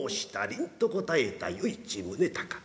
りんと答えた与一宗隆。